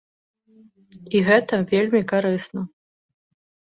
І гэта вельмі карысна.